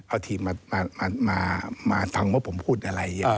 เอาทีมมาฟังว่าผมพูดอะไร